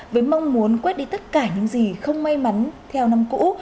với mong muốn quét đi tất cả những gì không may mắn theo năm cũ